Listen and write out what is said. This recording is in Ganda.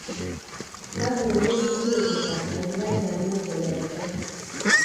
Bagenda okuzuukuka nga tebakyalina kye bazza.